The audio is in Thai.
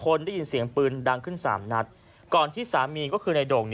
ได้ยินเสียงปืนดังขึ้นสามนัดก่อนที่สามีก็คือในโด่ง